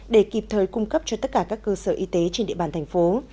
để kịp thời cung cấp cho tất cả các cơ sở y tế trên địa bàn thành phố